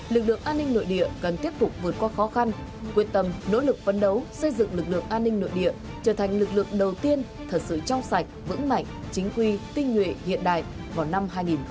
lực lượng an ninh nội địa cần tiếp tục vượt qua khó khăn quyết tâm nỗ lực phấn đấu xây dựng lực lượng an ninh nội địa trở thành lực lượng đầu tiên thật sự trong sạch vững mạnh chính quy tinh nguyện hiện đại vào năm hai nghìn hai mươi năm